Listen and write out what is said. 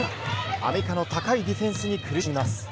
アメリカの高いディフェンスに苦しみます。